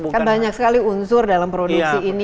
kan banyak sekali unsur dalam produksi ini